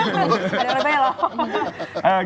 ada orang tanya loh